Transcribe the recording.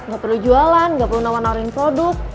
gak perlu jualan gak perlu nawarin produk